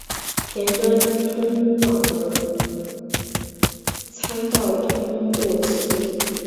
田端通往的参道通过此地。